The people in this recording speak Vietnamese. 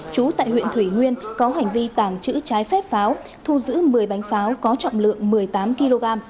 chú tại huyện thủy nguyên có hành vi tàng trữ trái phép pháo thu giữ một mươi bánh pháo có trọng lượng một mươi tám kg